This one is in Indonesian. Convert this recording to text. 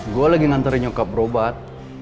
gua lagi nganterin nyokap berobat